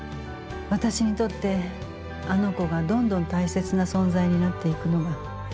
私にとってあの子がどんどん大切な存在になっていくのが。